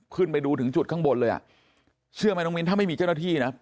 ขึ้นไปดูถึงจุดข้างบนเลยอ่ะเชื่อไหมน้องมิ้นถ้าไม่มีเจ้าหน้าที่นะ